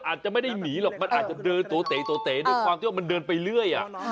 อาจจะไม่ได้หนีหรอกมันอาจจะเดินโตเตโตเต๋ด้วยความที่ว่ามันเดินไปเรื่อย